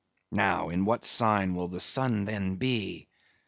Now, in what sign will the sun then be?